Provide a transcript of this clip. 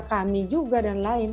kami juga dan lain